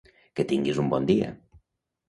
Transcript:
Que tinguis un bon dia!